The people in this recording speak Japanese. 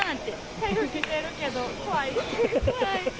台風来てるけど怖い？